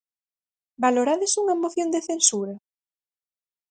Valorades unha moción de censura?